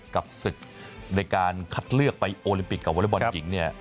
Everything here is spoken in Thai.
กับศึกในการคัดเลือกไปโอลิมปิกกับวอเล็กบอลหญิงเนี่ย